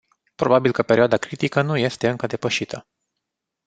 Probabil că perioada critică nu este încă depășită.